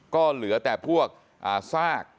ก็เหลือแต่พวกซาก